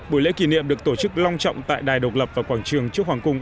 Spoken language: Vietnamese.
buổi lễ kỷ niệm được tổ chức long trọng tại đài độc lập và quảng trường trúc hoàng cung